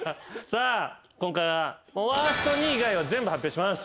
さあ今回はワースト２位以外は全部発表します。